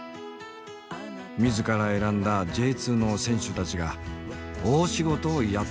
自ら選んだＪ２の選手たちが大仕事をやってのけた。